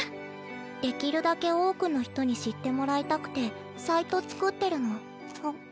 できるだけ多くの人に知ってもらいたくてサイト作ってるの。はむっ。